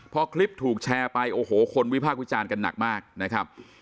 พอคลิปถูกแชร์ไปโอ้โหคนวิพากษ์วิจารณ์กันหนักมากนะครับ